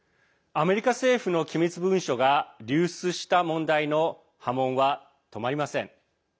アメリカ政府の機密文書が流失した問題の波紋は止まりません。